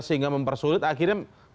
sehingga mempersulit akhirnya